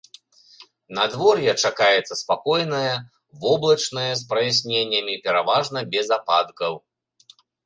Надвор'е чакаецца спакойнае, воблачнае з праясненнямі, пераважна без ападкаў.